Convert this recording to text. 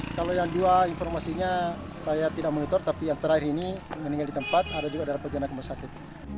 kalau yang dua informasinya saya tidak monitor tapi yang terakhir ini meninggal di tempat ada juga dapat perjalanan ke rumah sakit